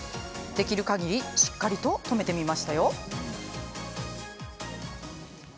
できるかぎりしっかりと留めてみました。